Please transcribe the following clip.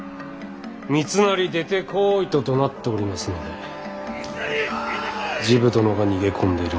三成出てこいとどなっておりますので治部殿が逃げ込んでいるものと。